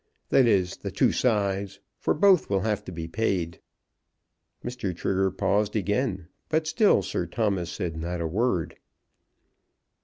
That is, the two sides, for both will have to be paid." Mr. Trigger paused again, but still Sir Thomas said not a word.